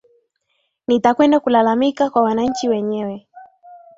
nitakwenda kulalamika kwa wananchi wenyewe